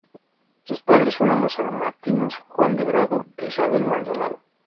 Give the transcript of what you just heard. Sus padres fueron los salmantinos Juan de Grado e Isabel Maldonado.